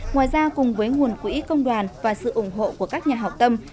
ngoài ra cùng với nguồn quỹ công đoàn và sự ủng hộ của các nhà học tâm